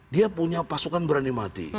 dia punya pasukan berani mati